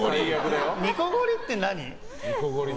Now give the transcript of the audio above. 煮こごりって何？